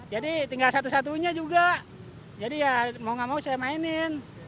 jadi tinggal satu satunya juga jadi ya mau nggak mau saya mainin